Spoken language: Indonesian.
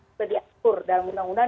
sudah diatur dalam undang undang